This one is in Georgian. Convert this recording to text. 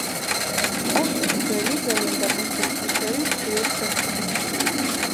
აქვს გრძელი, ძალიან დაკუნთული კისერი, ძლიერი ფეხები.